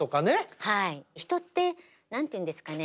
人って何て言うんですかね